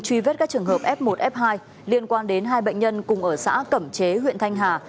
truy vết các trường hợp f một f hai liên quan đến hai bệnh nhân cùng ở xã cẩm chế huyện thanh hà